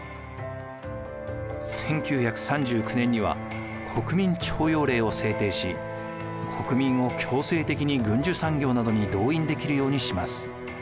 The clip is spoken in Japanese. １９３９年には国民徴用令を制定し国民を強制的に軍需産業などに動員できるようにします。